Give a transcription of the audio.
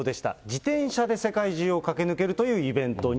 自転車で世界中を駆け抜けるというイベント。